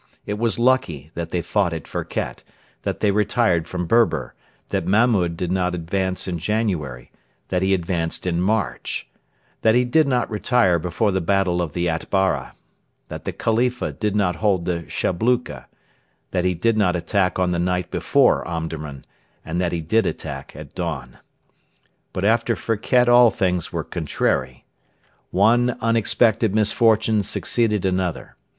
It was lucky that they fought at Firket; that they retired from Berber; that Mahmud did not advance in January; that he advanced in March; that he did not retire before the battle of the Atbara; that the Khalifa did not hold the Shabluka; that he did not attack on the night before Omdurman, and that he did attack at dawn. But after Firket all things were contrary. One unexpected misfortune succeeded another.